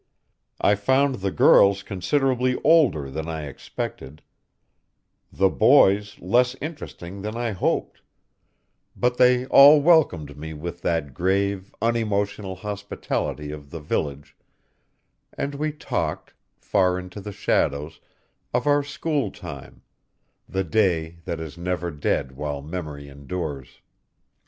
I found the girls considerably older than I expected, the boys less interesting than I hoped; but they all welcomed me with that grave, unemotional hospitality of the village, and we talked, far into the shadows, of our schooltime, the day that is never dead while memory endures.